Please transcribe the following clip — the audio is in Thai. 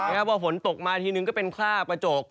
พอฝนตกมาทีนึงก็เป็นค่ากระจก